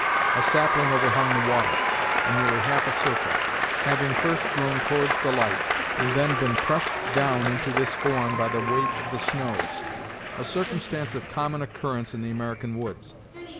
A sapling overhung the water, in nearly half a circle, having first grown towards the light, and then been pressed down into this form by the weight of the snows; a circumstance of common occurrence in the American woods.